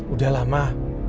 udah lah mbak